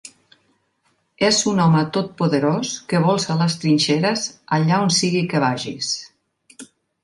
És un home totpoderós que vols a les trinxeres allà on sigui que vagis.